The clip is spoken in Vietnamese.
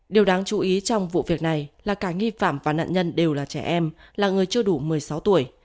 điều đáng chú ý trong vụ việc này là cả nghi phạm và nạn nhân đều là trẻ em là người chưa đủ một mươi sáu tuổi